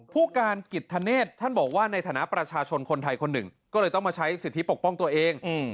ผู้การกิจธเนธท่านบอกว่าในฐานะประชาชนคนไทยคนหนึ่งก็เลยต้องมาใช้สิทธิปกป้องตัวเอง